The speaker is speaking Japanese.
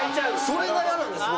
それが嫌なんです僕。